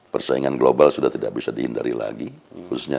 kelas kelas saya tidak bisa nulis